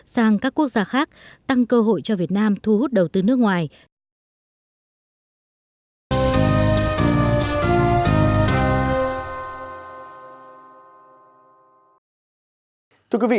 sang các quốc gia khác tăng cơ hội cho việt nam thu hút đầu tư nước ngoài